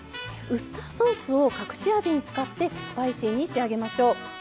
ウスターソースを隠し味に使ってスパイシーに仕上げましょう。